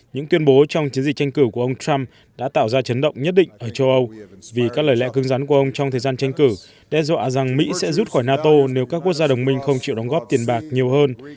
những tuyên bố trong chiến dịch tranh cử của ông trump đã tạo ra chấn động nhất định ở châu âu vì các lời lẽ cứng rắn của ông trong thời gian tranh cử đe dọa rằng mỹ sẽ rút khỏi nato nếu các quốc gia đồng minh không chịu đóng góp tiền bạc nhiều hơn